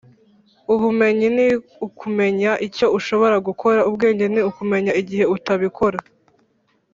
"ubumenyi ni ukumenya icyo ushobora gukora. ubwenge ni ukumenya igihe utabikora.